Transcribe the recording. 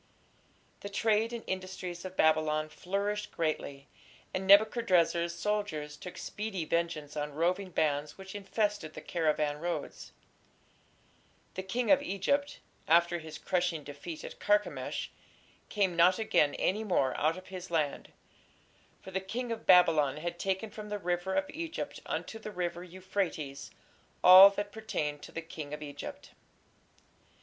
The trade and industries of Babylon flourished greatly, and Nebuchadrezzar's soldiers took speedy vengeance on roving bands which infested the caravan roads. "The king of Egypt", after his crushing defeat at Carchemish, "came not again any more out of his land: for the king of Babylon had taken from the river of Egypt unto the river Euphrates all that pertained to the king of Egypt."